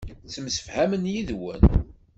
Ttemsefhamen yid-wen.